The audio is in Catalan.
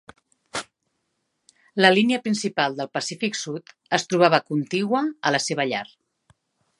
La línia principal del Pacífic Sud es trobava contigua a la seva llar.